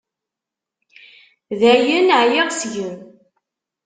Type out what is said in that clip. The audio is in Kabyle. Dayen, ɛyiɣ seg-m.